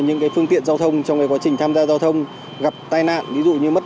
những phương tiện giao thông trong quá trình tham gia giao thông gặp tai nạn ví dụ như mất